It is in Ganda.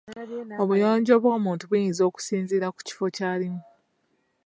Obuyonjo bw'omuntu buyinza okusinziira ku kifo ky’alimu.